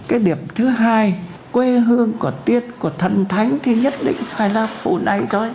cái điểm thứ hai quê hương của tiên của thân thánh thì nhất định phải là phủ này thôi